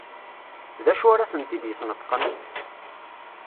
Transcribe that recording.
D acu ara tent-id-yesneṭqen?